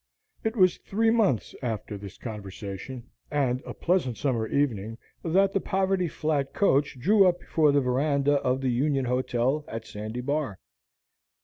It was three months after this conversation, and a pleasant summer evening, that the Poverty Flat coach drew up before the veranda of the Union Hotel at Sandy Bar.